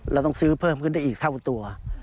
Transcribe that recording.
เราต้องซื้อเพิ่มขึ้นได้อีกเท่าตัว